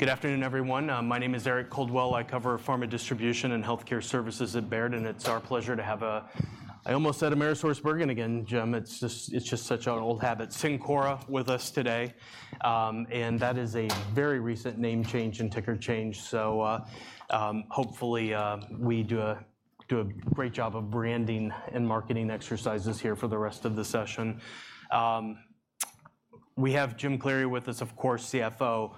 Good afternoon, everyone. My name is Eric Coldwell. I cover pharma distribution and healthcare services at Baird, and it's our pleasure to have a-- I almost said AmerisourceBergen again, Jim. It's just, it's just such an old habit. Cencora with us today, and that is a very recent name change and ticker change. So, hopefully, we do a great job of branding and marketing exercises here for the rest of the session. We have Jim Cleary with us, of course, CFO,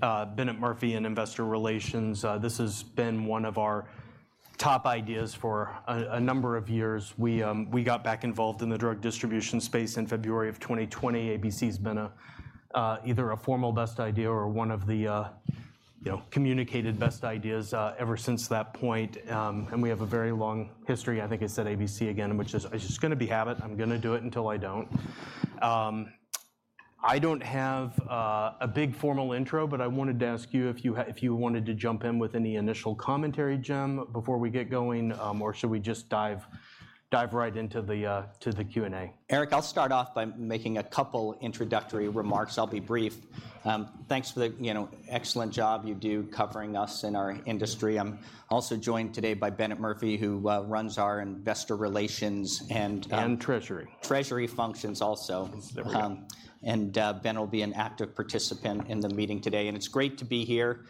Bennett Murphy in investor relations. This has been one of our top ideas for a number of years. We got back involved in the drug distribution space in February of 2020. ABC has been a, either a formal best idea or one of the, you know, communicated best ideas, ever since that point. And we have a very long history. I think I said ABC again, which is—it's just gonna be habit. I'm gonna do it until I don't. I don't have a big formal intro, but I wanted to ask you if you wanted to jump in with any initial commentary, Jim, before we get going, or should we just dive right into the Q&A? Eric, I'll start off by making a couple introductory remarks. I'll be brief. Thanks for the, you know, excellent job you do covering us and our industry. I'm also joined today by Bennett Murphy, who runs our investor relations and, And treasury. Treasury functions also. There we go. And Ben will be an active participant in the meeting today, and it's great to be here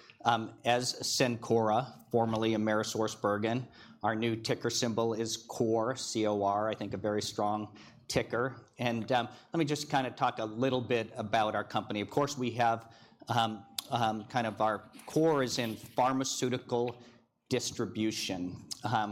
as Cencora, formerly AmerisourceBergen. Our new ticker symbol is COR, C-O-R. I think a very strong ticker. And let me just kind of talk a little bit about our company. Of course, we have kind of our core is in pharmaceutical distribution,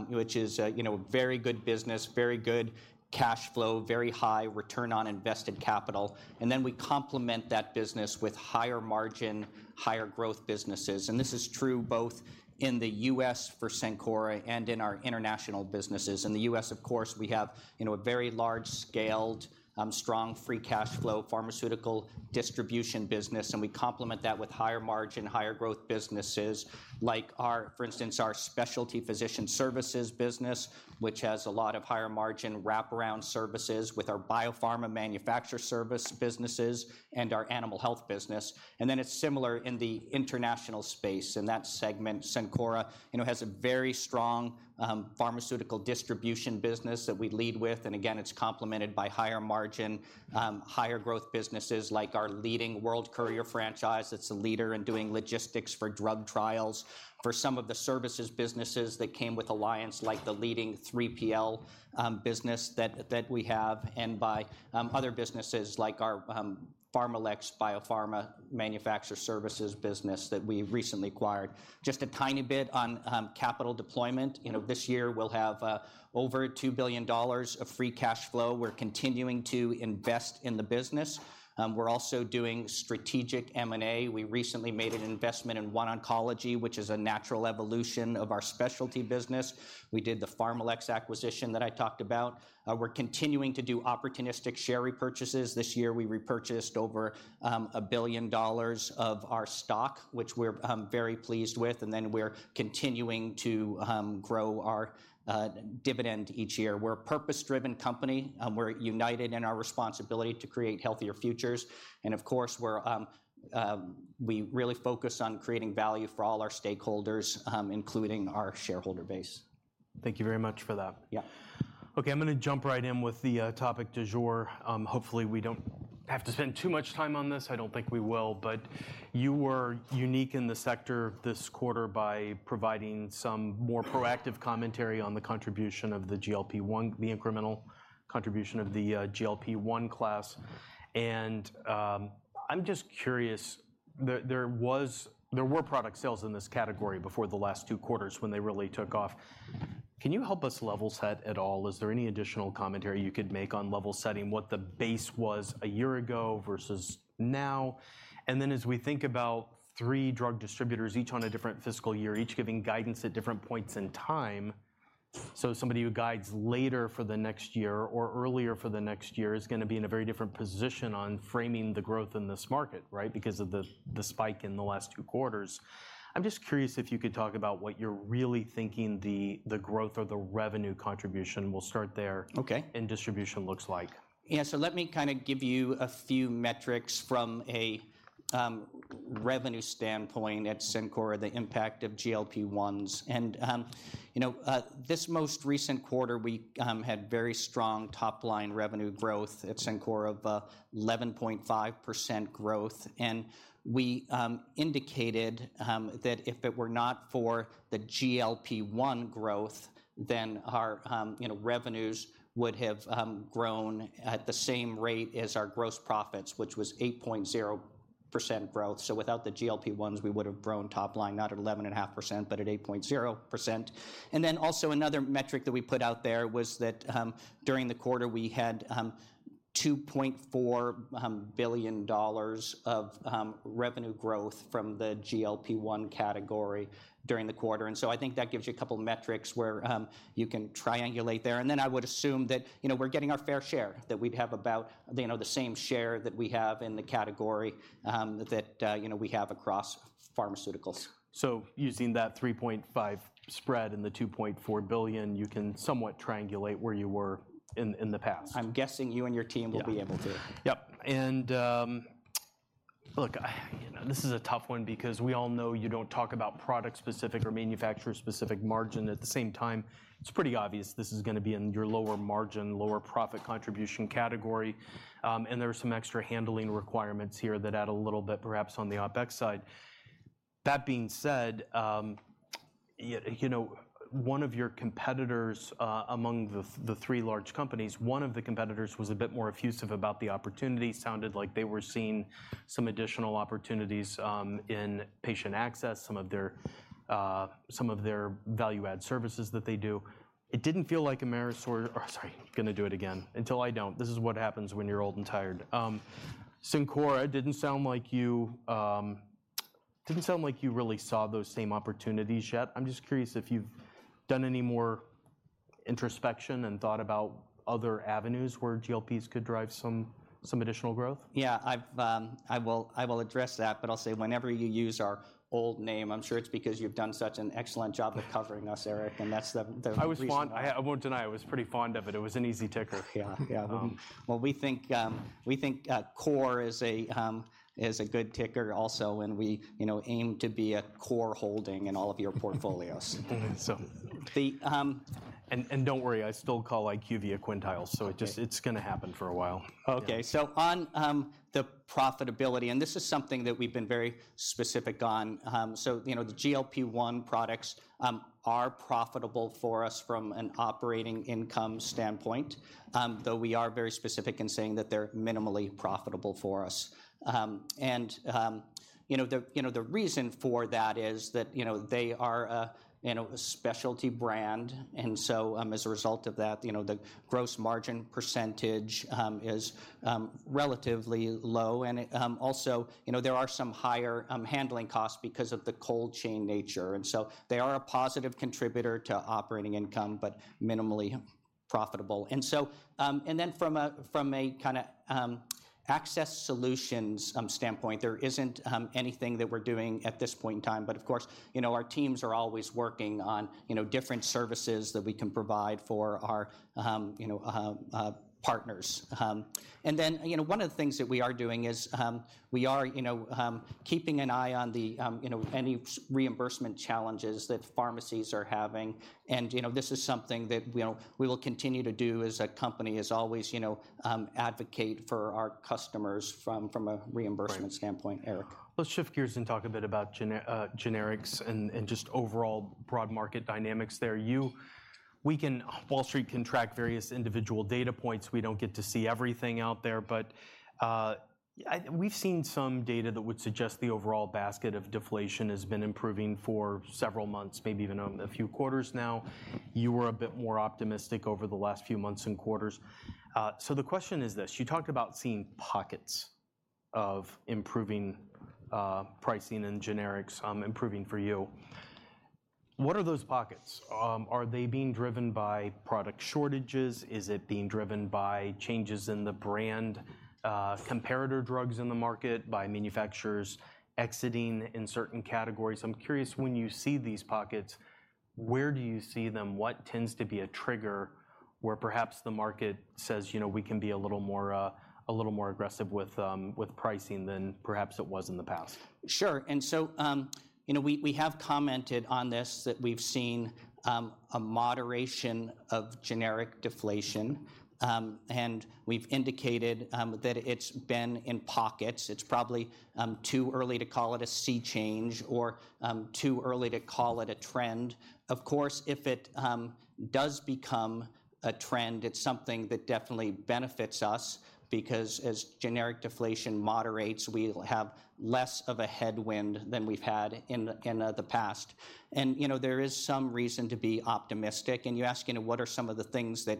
which is a, you know, very good business, very good cash flow, very high return on invested capital, and then we complement that business with higher margin, higher growth businesses. And this is true both in the U.S. for Cencora and in our international businesses. In the U.S., of course, we have, you know, a very large-scaled strong free cash flow, pharmaceutical distribution business, and we complement that with higher margin, higher growth businesses like our... For instance, our specialty physician services business, which has a lot of higher margin wraparound services with our biopharma manufacturer service businesses and our animal health business. And then it's similar in the international space. In that segment, Cencora, you know, has a very strong, pharmaceutical distribution business that we lead with, and again, it's complemented by higher margin, higher growth businesses, like our leading World Courier franchise that's a leader in doing logistics for drug trials. For some of the services businesses that came with Alliance, like the leading 3PL, business that we have, and by, other businesses like our, PharmaLex Biopharma Manufacturer Services business that we recently acquired. Just a tiny bit on, capital deployment. You know, this year, we'll have, over $2 billion of free cash flow. We're continuing to invest in the business. We're also doing strategic M&A. We recently made an investment in OneOncology, which is a natural evolution of our specialty business. We did the PharmaLex acquisition that I talked about. We're continuing to do opportunistic share repurchases. This year, we repurchased over $1 billion of our stock, which we're very pleased with, and then we're continuing to grow our dividend each year. We're a purpose-driven company. We're united in our responsibility to create healthier futures, and of course, we really focus on creating value for all our stakeholders, including our shareholder base. Thank you very much for that. Yeah. Okay, I'm gonna jump right in with the topic du jour. Hopefully, we don't have to spend too much time on this. I don't think we will, but you were unique in the sector this quarter by providing some more proactive commentary on the contribution of the GLP-1, the incremental contribution of the GLP-1 class. And I'm just curious, there were product sales in this category before the last two quarters when they really took off. Can you help us level set at all? Is there any additional commentary you could make on level setting, what the base was a year ago versus now? And then, as we think about three drug distributors, each on a different fiscal year, each giving guidance at different points in time, so somebody who guides later for the next year or earlier for the next year is gonna be in a very different position on framing the growth in this market, right? Because of the spike in the last two quarters. I'm just curious if you could talk about what you're really thinking the growth or the revenue contribution, we'll start there- Okay. in distribution looks like. Yeah, so let me kind of give you a few metrics from a revenue standpoint at Cencora, the impact of GLP-1s. And, you know, this most recent quarter, we had very strong top-line revenue growth at Cencora of 11.5% growth, and we indicated that if it were not for the GLP-1 growth, then our, you know, revenues would have grown at the same rate as our gross profits, which was 8.0% growth. So without the GLP-1s, we would have grown top line, not at 11.5%, but at 8.0%. And then also another metric that we put out there was that during the quarter, we had $2.4 billion of revenue growth from the GLP-1 category during the quarter. And so I think that gives you a couple of metrics where you can triangulate there. And then I would assume that, you know, we're getting our fair share, that we'd have about, you know, the same share that we have in the category, that you know, we have across pharmaceuticals. Using that 3.5 spread and the $2.4 billion, you can somewhat triangulate where you were in the past. I'm guessing you and your team-... will be able to. Yep, and... Look, you know, this is a tough one because we all know you don't talk about product-specific or manufacturer-specific margin. At the same time, it's pretty obvious this is gonna be in your lower margin, lower profit contribution category. And there are some extra handling requirements here that add a little bit perhaps on the OpEx side. That being said, yeah, you know, one of your competitors, among the three large companies, one of the competitors was a bit more effusive about the opportunity. Sounded like they were seeing some additional opportunities, in patient access, some of their, some of their value-add services that they do. It didn't feel like Amerisource-- Sorry, gonna do it again. Until I don't. This is what happens when you're old and tired. Cencora didn't sound like you, didn't sound like you really saw those same opportunities yet. I'm just curious if you've done any more introspection and thought about other avenues where GLPs could drive some additional growth? Yeah, I will address that, but I'll say whenever you use our old name, I'm sure it's because you've done such an excellent job of covering us, Eric, and that's the- I was fond. I won't deny, I was pretty fond of it. It was an easy ticker. Yeah. Yeah. Well, we think COR is a good ticker also, and we, you know, aim to be a core holding in all of your portfolios. So- The, um- Don't worry, I still call IQVIA, Quintiles. So it just... It's gonna happen for a while. Okay. So on the profitability, and this is something that we've been very specific on. So, you know, the GLP-1 products are profitable for us from an operating income standpoint, though we are very specific in saying that they're minimally profitable for us. And, you know, the reason for that is that, you know, they are a specialty brand, and so, as a result of that, you know, the gross margin percentage is relatively low. And it also, you know, there are some higher handling costs because of the cold chain nature, and so they are a positive contributor to operating income, but minimally profitable. And so, and then from a kinda access solutions standpoint, there isn't anything that we're doing at this point in time. But, of course, you know, our teams are always working on, you know, different services that we can provide for our partners. And then, you know, one of the things that we are doing is, we are, you know, keeping an eye on the, you know, any reimbursement challenges that pharmacies are having. And, you know, this is something that, you know, we will continue to do as a company, as always, you know, advocate for our customers from a reimbursement- Right... standpoint, Eric. Let's shift gears and talk a bit about generics and just overall broad market dynamics there. We can, Wall Street can track various individual data points. We don't get to see everything out there, but we've seen some data that would suggest the overall basket of deflation has been improving for several months, maybe even a few quarters now. You were a bit more optimistic over the last few months and quarters. So the question is this: You talked about seeing pockets of improving pricing and generics improving for you. What are those pockets? Are they being driven by product shortages? Is it being driven by changes in the brand comparator drugs in the market, by manufacturers exiting in certain categories? I'm curious, when you see these pockets, where do you see them? What tends to be a trigger, where perhaps the market says: "You know, we can be a little more, a little more aggressive with, with pricing than perhaps it was in the past? Sure. And so, you know, we have commented on this, that we've seen a moderation of generic deflation. And we've indicated that it's been in pockets. It's probably too early to call it a sea change or too early to call it a trend. Of course, if it does become a trend, it's something that definitely benefits us because as generic deflation moderates, we'll have less of a headwind than we've had in the past. And, you know, there is some reason to be optimistic. And you ask, you know, what are some of the things that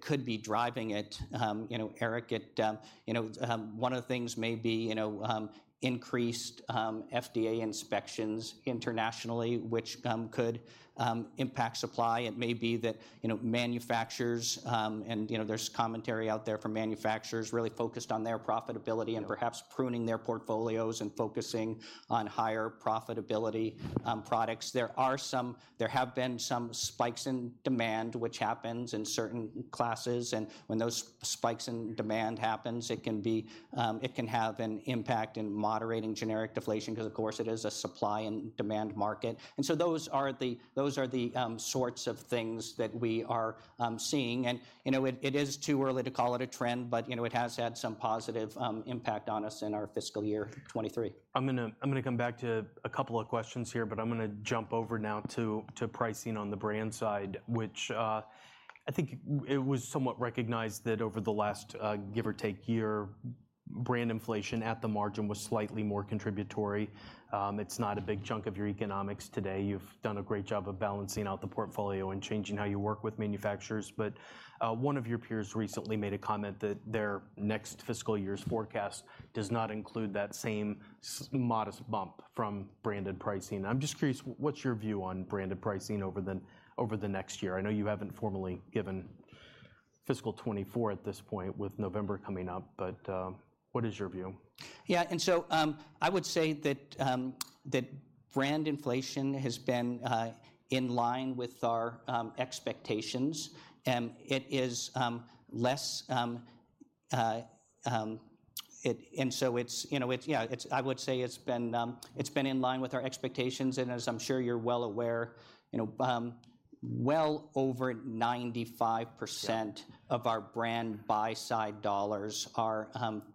could be driving it? You know, Eric, one of the things may be increased FDA inspections internationally, which could impact supply. It may be that, you know, manufacturers, you know, there's commentary out there from manufacturers really focused on their profitability-... and perhaps pruning their portfolios and focusing on higher profitability products. There have been some spikes in demand, which happens in certain classes, and when those spikes in demand happens, it can be, it can have an impact in moderating generic deflation because, of course, it is a supply and demand market. And so those are the, those are the sorts of things that we are seeing. And, you know, it, it is too early to call it a trend, but, you know, it has had some positive impact on us in our fiscal year 2023. I'm gonna come back to a couple of questions here, but I'm gonna jump over now to pricing on the brand side, which I think it was somewhat recognized that over the last give or take year, brand inflation at the margin was slightly more contributory. It's not a big chunk of your economics today. You've done a great job of balancing out the portfolio and changing how you work with manufacturers. But one of your peers recently made a comment that their next fiscal year's forecast does not include that same modest bump from branded pricing. I'm just curious, what's your view on branded pricing over the next year? I know you haven't formally given fiscal 2024 at this point, with November coming up, but what is your view? Yeah, and so, I would say that brand inflation has been in line with our expectations, and it is less, and so it's, you know, it's, yeah, it's—I would say it's been, it's been in line with our expectations, and as I'm sure you're well aware, you know, well over 95% Of our brand buy-side dollars are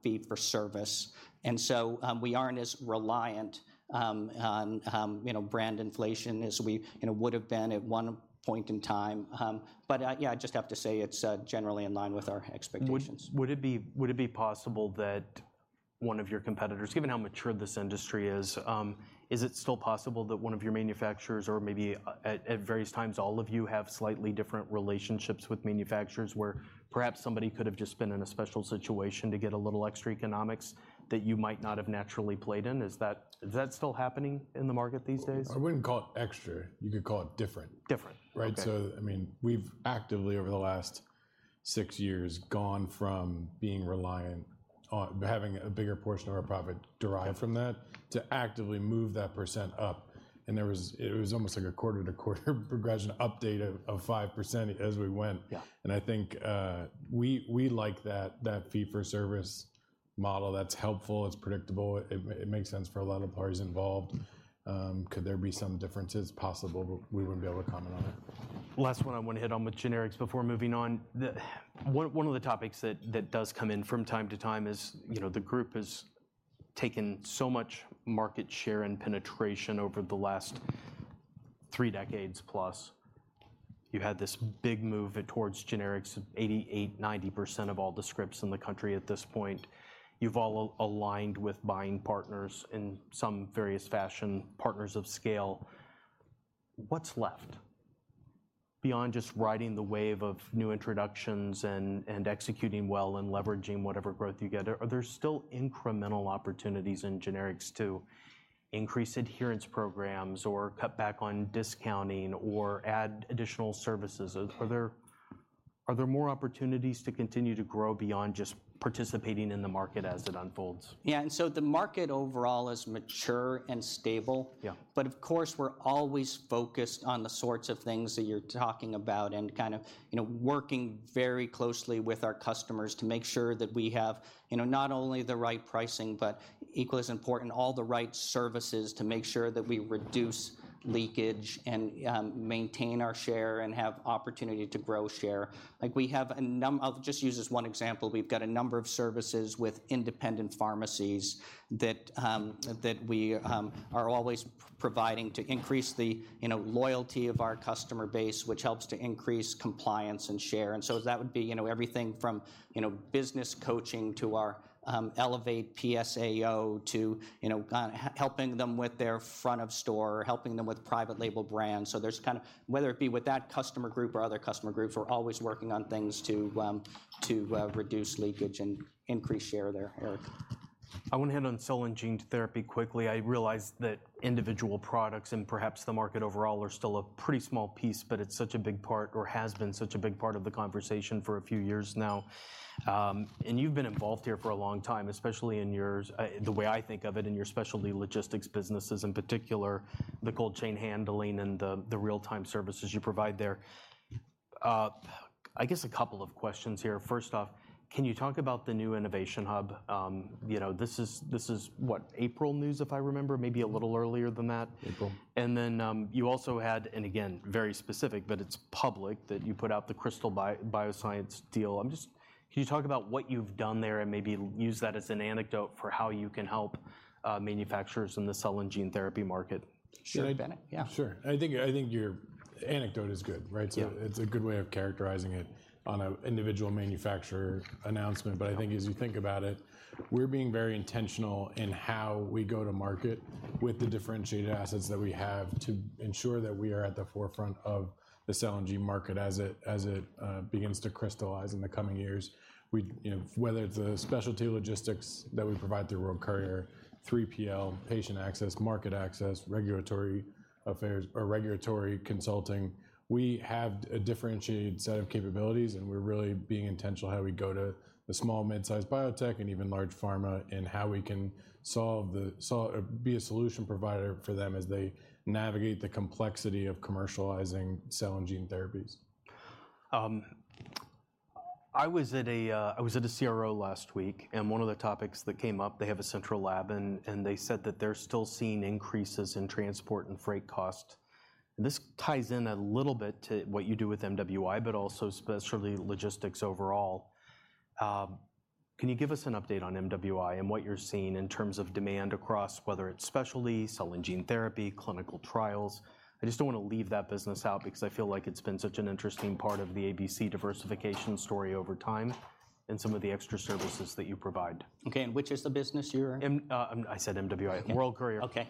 fee-for-service. And so, we aren't as reliant on, you know, brand inflation as we, you know, would've been at one point in time. But yeah, I just have to say it's generally in line with our expectations. Would it be possible that one of your competitors... Given how mature this industry is, is it still possible that one of your manufacturers, or maybe at various times, all of you have slightly different relationships with manufacturers, where perhaps somebody could have just been in a special situation to get a little extra economics that you might not have naturally played in? Is that still happening in the market these days? I wouldn't call it extra. You could call it different. Different. Right. Okay. So, I mean, we've actively, over the last six years, gone from being reliant on having a bigger portion of our profit derived from that- Yeah... to actively move that percent up, and there was, it was almost like a quarter-to-quarter progression update of 5% as we went. Yeah. And I think, we like that fee-for-service model. That's helpful. It's predictable. It makes sense for a lot of parties involved. Could there be some differences? Possible, but we wouldn't be able to comment on it. Last one I wanna hit on with generics before moving on. One of the topics that does come in from time to time is, you know, the group has taken so much market share and penetration over the last three decades plus. You had this big move towards generics, 88%-90% of all the scripts in the country at this point. You've all aligned with buying partners in some various fashion, partners of scale. What's left beyond just riding the wave of new introductions and executing well and leveraging whatever growth you get? Are there still incremental opportunities in generics to increase adherence programs or cut back on discounting or add additional services? Are there more opportunities to continue to grow beyond just participating in the market as it unfolds? Yeah, the market overall is mature and stable. Yeah. But of course, we're always focused on the sorts of things that you're talking about and kind of, you know, working very closely with our customers to make sure that we have, you know, not only the right pricing, but equally as important, all the right services to make sure that we reduce leakage and, maintain our share and have opportunity to grow share. Like, we have a number I'll just use as one example, we've got a number of services with independent pharmacies that, that we, are always providing to increase the, you know, loyalty of our customer base, which helps to increase compliance and share. And so that would be, you know, everything from, you know, business coaching to our, Elevate PSAO to, you know, helping them with their front of store or helping them with private label brands. So there's kind of, whether it be with that customer group or other customer groups, we're always working on things to reduce leakage and increase share there. Eric? I wanna hit on cell and gene therapy quickly. I realize that individual products and perhaps the market overall are still a pretty small piece, but it's such a big part or has been such a big part of the conversation for a few years now. You've been involved here for a long time, especially in your, the way I think of it, in your specialty logistics businesses, in particular, the cold chain handling and the real-time services you provide there. I guess a couple of questions here. First off, can you talk about the new innovation hub? You know, this is what? April news, if I remember, maybe a little earlier than that. April. And then, you also had, and again, very specific, but it's public, that you put out the Krystal Bioscience deal. Just, can you talk about what you've done there and maybe use that as an anecdote for how you can help manufacturers in the cell and gene therapy market? Sure. Should they be? Yeah. Sure. I think your anecdote is good, right? Yeah. It's a good way of characterizing it on an individual manufacturer announcement. But I think as you think about it, we're being very intentional in how we go to market with the differentiated assets that we have to ensure that we are at the forefront of the cell and gene market as it begins to crystallize in the coming years. We, you know, whether it's the specialty logistics that we provide through World Courier, 3PL, patient access, market access, regulatory affairs or regulatory consulting, we have a differentiated set of capabilities, and we're really being intentional how we go to the small, mid-sized biotech and even large pharma, and how we can solve the or be a solution provider for them as they navigate the complexity of commercializing cell and gene therapies. I was at a CRO last week, and one of the topics that came up, they have a central lab, and they said that they're still seeing increases in transport and freight cost. This ties in a little bit to what you do with MWI, but also specialty logistics overall. Can you give us an update on MWI and what you're seeing in terms of demand across, whether it's specialty, cell and gene therapy, clinical trials? I just don't wanna leave that business out because I feel like it's been such an interesting part of the ABC diversification story over time and some of the extra services that you provide. Okay, and which is the business you're- I said MWI. Okay. World Courier. Okay.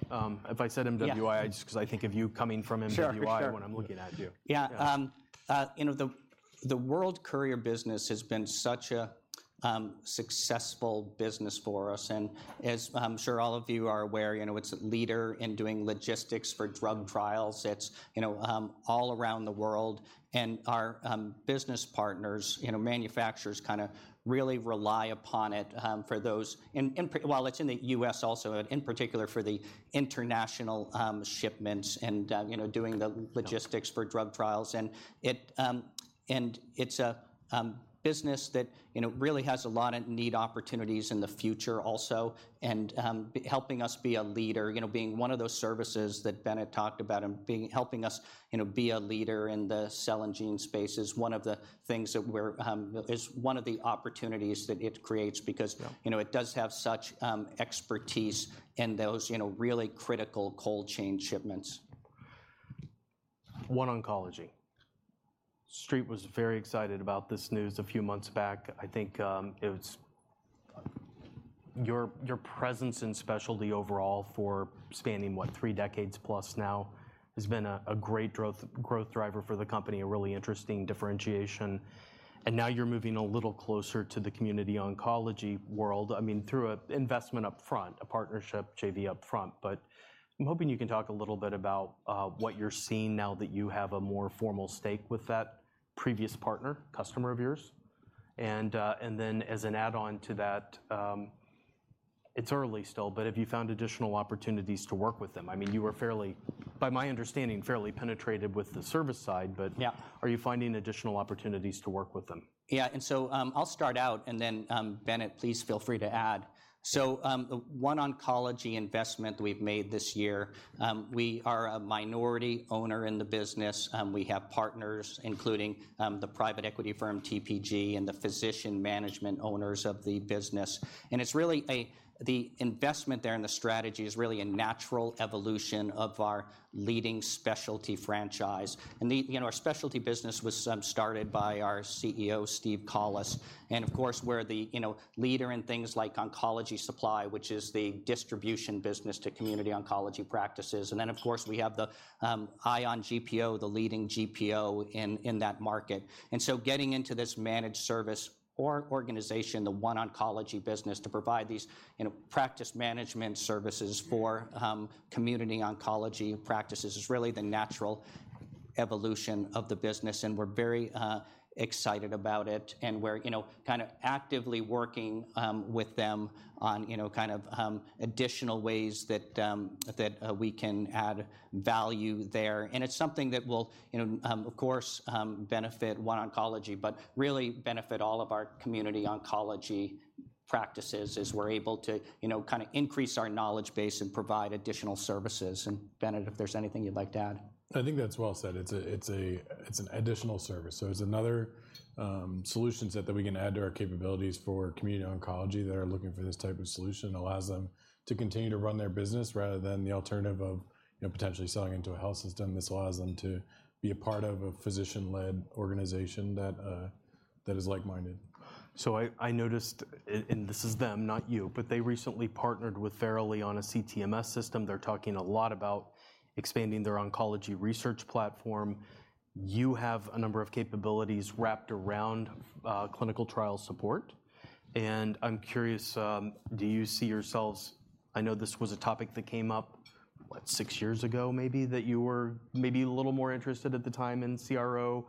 If I said MWI- Yeah... I just, because I think of you coming from MWI- Sure, sure when I'm looking at you. Yeah. Yeah. You know, the World Courier business has been such a successful business for us, and as I'm sure all of you are aware, you know, it's a leader in doing logistics for drug trials. It's, you know, all around the world, and our business partners, you know, manufacturers, kind of really rely upon it for those... And in part, well, it's in the U.S. also, but in particular for the international shipments and, you know, doing the logistics-... for drug trials. And it's a business that, you know, really has a lot of neat opportunities in the future also, and helping us be a leader, you know, being one of those services that Bennett talked about, and helping us, you know, be a leader in the cell and gene space is one of the opportunities that it creates because- Yeah... you know, it does have such expertise in those, you know, really critical cold chain shipments. OneOncology. The Street was very excited about this news a few months back. I think it was your presence in specialty overall, spanning what? Three decades plus now, has been a great growth driver for the company, a really interesting differentiation, and now you're moving a little closer to the community oncology world. I mean, through an investment upfront, a partnership JV upfront, but I'm hoping you can talk a little bit about what you're seeing now that you have a more formal stake with that previous partner, customer of yours. And, and then as an add-on to that, it's early still, but have you found additional opportunities to work with them? I mean, you were fairly, by my understanding, fairly penetrated with the service side, but- Yeah... are you finding additional opportunities to work with them? Yeah, and so, I'll start out and then, Bennett, please feel free to add. So, the OneOncology investment we've made this year, we are a minority owner in the business. We have partners, including, the private equity firm TPG, and the physician management owners of the business. And it's really the investment there and the strategy is really a natural evolution of our leading specialty franchise. You know, our specialty business was started by our CEO, Steve Collis, and of course, we're the, you know, leader in things like oncology supply, which is the distribution business to community oncology practices. And then, of course, we have the ION GPO, the leading GPO in that market. So getting into this managed service or organization, the OneOncology business, to provide these, you know, practice management services for community oncology practices is really the natural evolution of the business, and we're very excited about it. We're, you know, kinda actively working with them on, you know, kind of additional ways that that we can add value there. It's something that will, you know, of course, benefit OneOncology, but really benefit all of our community oncology practices as we're able to, you know, kinda increase our knowledge base and provide additional services. Bennett, if there's anything you'd like to add? I think that's well said. It's an additional service, so it's another solution set that we can add to our capabilities for community oncology that are looking for this type of solution. Allows them to continue to run their business rather than the alternative of, you know, potentially selling into a health system. This allows them to be a part of a physician-led organization that is like-minded. So I noticed, and this is them, not you, but they recently partnered with Verily on a CTMS system. They're talking a lot about expanding their oncology research platform. You have a number of capabilities wrapped around, clinical trial support, and I'm curious, do you see yourselves... I know this was a topic that came up, what? Six years ago, maybe, that you were maybe a little more interested at the time in CRO,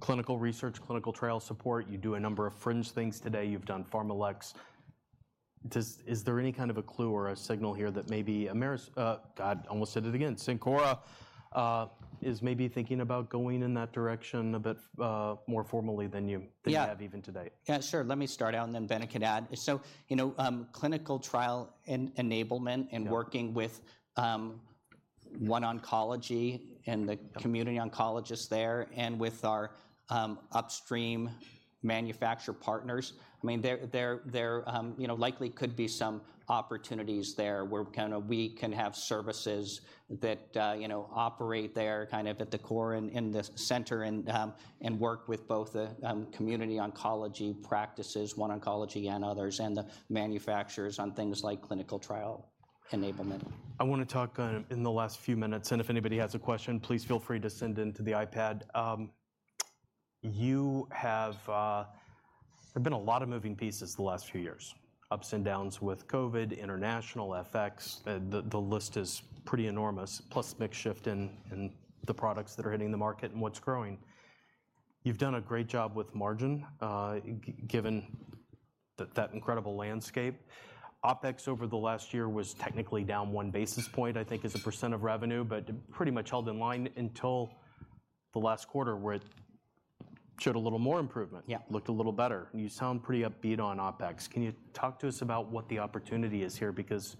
clinical research, clinical trial support. You do a number of fringe things today. You've done PharmaLex. Is there any kind of a clue or a signal here that maybe Ameris... God, I almost said it again. Cencora, is maybe thinking about going in that direction a bit, more formally than you- Yeah... than you have even today? Yeah, sure. Let me start out, and then Bennett can add. So, you know, clinical trial enablement- Yeah... and working with, OneOncology and the community oncologists there, and with our, upstream manufacturer partners, I mean, there, you know, likely could be some opportunities there where kinda we can have services that, you know, operate there kind of at the core and in the center and, and work with both the, community oncology practices, OneOncology and others, and the manufacturers on things like clinical trial enablement. I wanna talk in the last few minutes, and if anybody has a question, please feel free to send in to the iPad. You have, there've been a lot of moving pieces the last few years, ups and downs with COVID, international, FX. The, the, the list is pretty enormous. Plus, mix shift in, in the products that are hitting the market and what's growing. You've done a great job with margin, given that, that incredible landscape. OpEx over the last year was technically down one basis point, I think, as a percent of revenue, but pretty much held in line until the last quarter, where it showed a little more improvement. Yeah. Looked a little better. You sound pretty upbeat on OpEx. Can you talk to us about what the opportunity is here? Because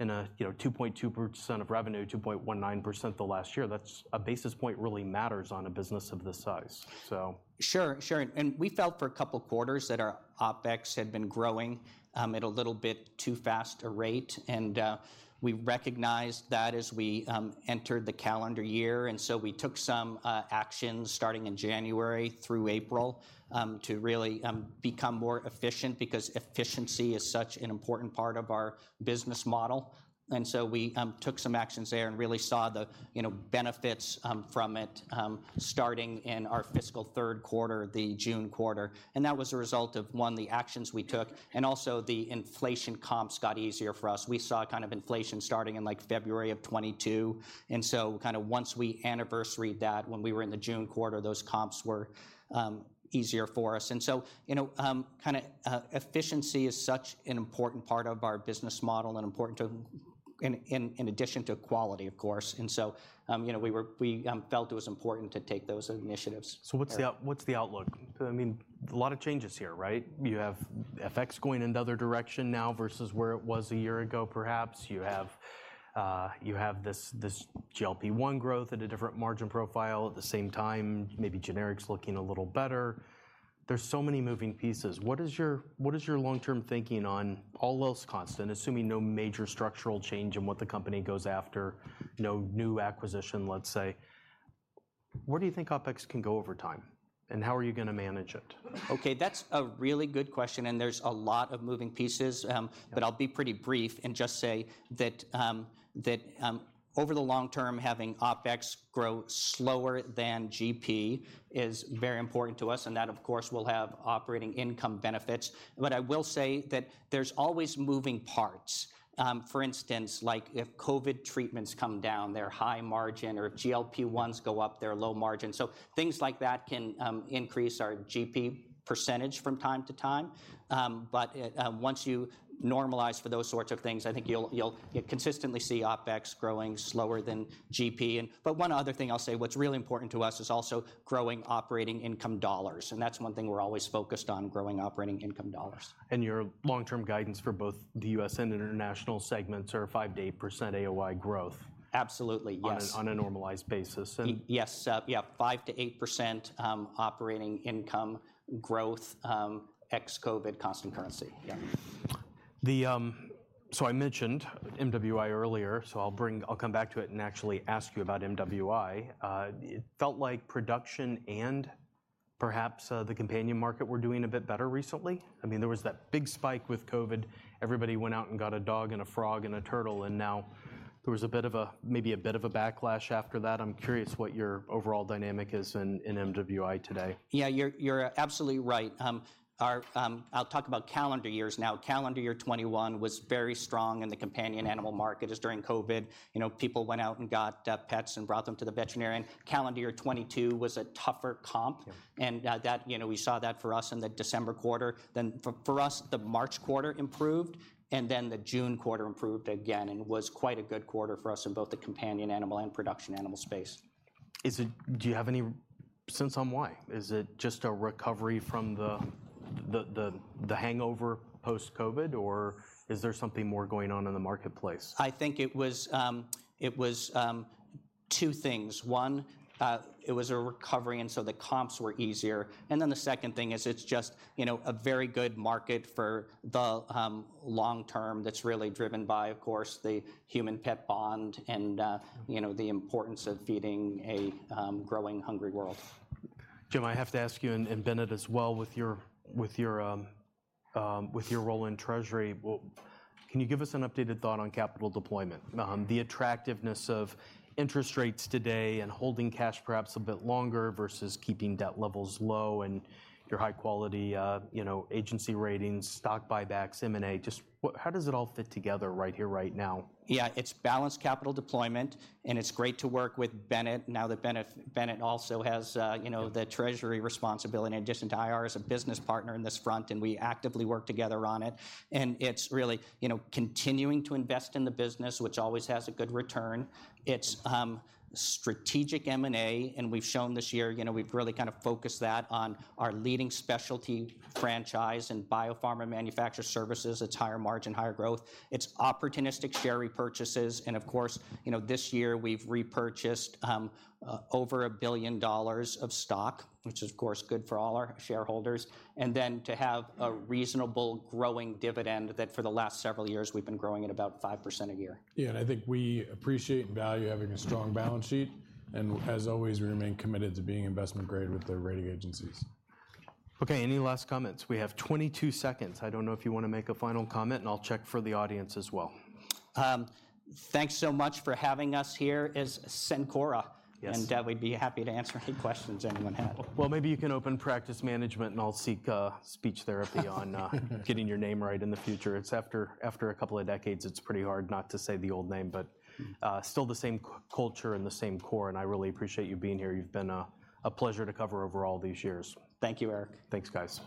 in a, you know, 2.2% of revenue, 2.19% the last year, that's a basis point really matters on a business of this size, so. Sure, sure, and we felt for a couple of quarters that our OpEx had been growing at a little bit too fast a rate, and we recognized that as we entered the calendar year. And so we took some actions starting in January through April to really become more efficient, because efficiency is such an important part of our business model. And so we took some actions there and really saw the, you know, benefits from it starting in our fiscal third quarter, the June quarter. And that was a result of, one, the actions we took, and also the inflation comps got easier for us. We saw kind of inflation starting in, like, February of 2022, and so kind of once we anniversaried that, when we were in the June quarter, those comps were easier for us. And so, you know, kinda, efficiency is such an important part of our business model and important, in addition to quality, of course. And so, you know, we felt it was important to take those initiatives. So what's the outlook? I mean, a lot of changes here, right? You have FX going in the other direction now versus where it was a year ago, perhaps. You have, you have this, this GLP-1 growth at a different margin profile. At the same time, maybe generics looking a little better. There's so many moving pieces. What is your long-term thinking on all else constant, assuming no major structural change in what the company goes after, no new acquisition, let's say, where do you think OpEx can go over time, and how are you gonna manage it? Okay, that's a really good question, and there's a lot of moving pieces. But I'll be pretty brief and just say that over the long term, having OpEx grow slower than GP is very important to us, and that, of course, will have operating income benefits. But I will say that there's always moving parts. For instance, like if COVID treatments come down, they're high margin, or if GLP-1s go up, they're low margin. So things like that can increase our GP percentage from time to time. But once you normalize for those sorts of things, I think you'll consistently see OpEx growing slower than GP. But one other thing I'll say, what's really important to us is also growing operating income dollars, and that's one thing we're always focused on, growing operating income dollars. Your long-term guidance for both the U.S. and international segments are a 5%-8% AOI growth- Absolutely, yes. On a normalized basis, and- Yes, yeah, 5%-8% operating income growth, ex-COVID constant currency. Yeah. So I mentioned MWI earlier, so I'll come back to it and actually ask you about MWI. It felt like production and perhaps the companion market were doing a bit better recently. I mean, there was that big spike with COVID. Everybody went out and got a dog, and a frog, and a turtle, and now there was maybe a bit of a backlash after that. I'm curious what your overall dynamic is in MWI today. Yeah, you're, you're absolutely right. Our... I'll talk about calendar years now. Calendar year 2021 was very strong in the companion animal market, as during COVID, you know, people went out and got pets and brought them to the veterinarian. Calendar year 2022 was a tougher comp-... and that, you know, we saw that for us in the December quarter. Then for us, the March quarter improved, and then the June quarter improved again and was quite a good quarter for us in both the companion animal and production animal space. Is it? Do you have any sense on why? Is it just a recovery from the hangover post-COVID, or is there something more going on in the marketplace? I think it was two things. One, it was a recovery, and so the comps were easier, and then the second thing is it's just, you know, a very good market for the long term that's really driven by, of course, the human-pet bond and, you know, the importance of feeding a growing, hungry world. Jim, I have to ask you, and Bennett as well, with your role in Treasury, well, can you give us an updated thought on capital deployment? The attractiveness of interest rates today and holding cash perhaps a bit longer versus keeping debt levels low and your high quality, you know, agency ratings, stock buybacks, M&A, just what-- how does it all fit together right here, right now? Yeah, it's balanced capital deployment, and it's great to work with Bennett now that Bennett, Bennett also has, you know-... the treasury responsibility in addition to IR as a business partner in this front, and we actively work together on it. And it's really, you know, continuing to invest in the business, which always has a good return. It's strategic M&A, and we've shown this year, you know, we've really kind of focused that on our leading specialty franchise and biopharma manufacturer services. It's higher margin, higher growth. It's opportunistic share repurchases, and of course, you know, this year we've repurchased over $1 billion of stock, which is, of course, good for all our shareholders. And then to have a reasonable growing dividend that for the last several years we've been growing at about 5% a year. Yeah, and I think we appreciate and value having a strong balance sheet, and as always, we remain committed to being investment-grade with the rating agencies. Okay, any last comments? We have 22 seconds. I don't know if you wanna make a final comment, and I'll check for the audience as well. Thanks so much for having us here as Cencora. Yes. And, we'd be happy to answer any questions anyone had. Well, maybe you can open practice management, and I'll seek speech therapy on getting your name right in the future. It's after a couple of decades, it's pretty hard not to say the old name, but still the same culture and the same core, and I really appreciate you being here. You've been a pleasure to cover over all these years. Thank you, Eric. Thanks, guys.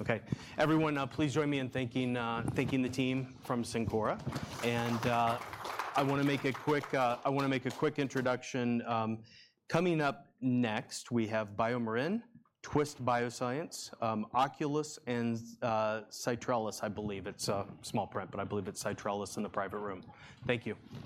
Okay, everyone, please join me in thanking the team from Cencora. I wanna make a quick introduction. Coming up next, we have BioMarin, Twist Bioscience, Oculis, and Cytrellis, I believe. It's small print, but I believe it's Cytrellis in the private room. Thank you.